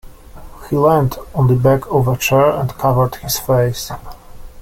He leant on the back of a chair, and covered his face.